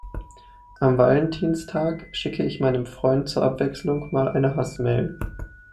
Am Valentinstag schicke ich meinem Freund zur Abwechslung mal eine Hassmail.